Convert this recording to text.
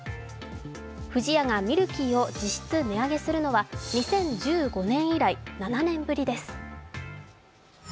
不二家がミルキーを実質値上げするのは２０１５年以来、７年ぶりです。